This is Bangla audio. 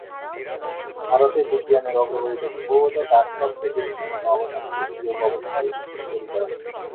ভারতে বিজ্ঞানের অগ্রগতিতে সম্ভবত তার সবচেয়ে গুরুত্বপূর্ণ অবদান সক্রিয় গবেষণার স্কুল তৈরি করা।